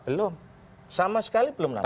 belum sama sekali belum nama